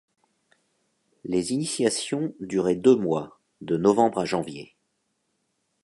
Les initiations duraient deux mois, de novembre à janvier.